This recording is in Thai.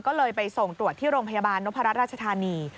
ก็เลยไปส่งตรวจที่โรงพยาบาลนพรัชราชธานี